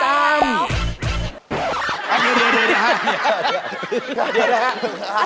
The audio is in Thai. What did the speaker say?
เดี๋ยวนะครับ